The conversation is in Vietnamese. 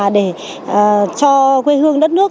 để cho quê hương đất nước